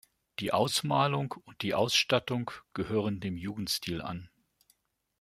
Die Ausmalung und die Ausstattung gehören dem Jugendstil an.